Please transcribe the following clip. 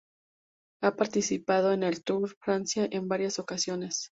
Ha participado en el Tour de Francia en varias ocasiones.